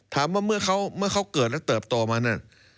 ถามว่าเมื่อเขาเกิดแล้วเติบต่อมา